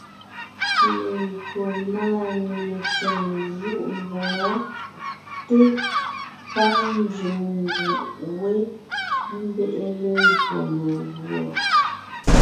Legÿo máanyìŋ ntsèm jûʼ mboŋó té pâ nzẅìŋ nguʼ wé, ḿbe’e lelÿò meguɔ.